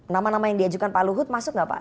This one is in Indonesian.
nama nama yang diajukan pak luhut masuk nggak pak